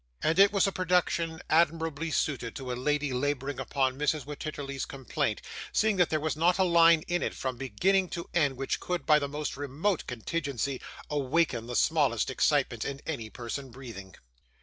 And it was a production admirably suited to a lady labouring under Mrs. Wititterly's complaint, seeing that there was not a line in it, from beginning to end, which could, by the most remote contingency, awaken the smallest excitement in any person breathing.